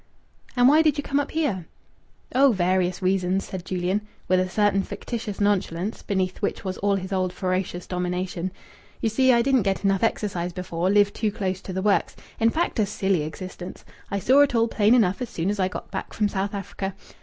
"And why did you come up here?" "Oh, various reasons!" said Julian, with a certain fictitious nonchalance, beneath which was all his old ferocious domination. "You see, I didn't get enough exercise before. Lived too close to the works. In fact, a silly existence. I saw it all plain enough as soon as I got back from South Africa....